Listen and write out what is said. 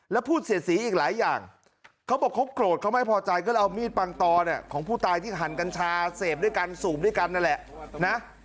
แล้วพูดเสียสีอีกหลายอย่างเขาบอกเขาโกรธเขาไม่พอใจก็เลยเอามีดปังตอเนี่ยของผู้ตายที่หั่นกัญชาเสพด้วยกันสูบด้วยกันนั่นแหละนะ